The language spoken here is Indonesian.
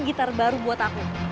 gitar baru buat aku